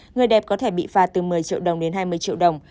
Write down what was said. người đẹp có thể bị phạt từ một mươi triệu đồng đến hai mươi triệu đồng